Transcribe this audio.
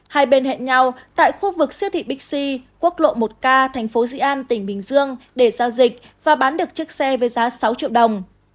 hai bên hẹn nhau tại khu vực siêu thị bixi quốc lộ một k thành phố dị an tỉnh bình dương để giao dịch và bán được chiếc xe với giá sáu triệu đồng